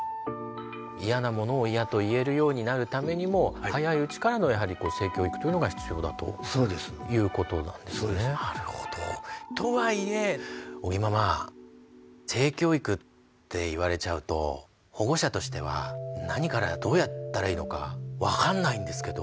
嫌なものを嫌と言えるようになるためにも早いうちからのやはり性教育というのが必要だということなんですね。とはいえ尾木ママ性教育って言われちゃうと保護者としては何からどうやったらいいのか分かんないんですけど。